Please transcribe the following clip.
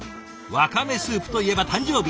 わかめスープといえば誕生日。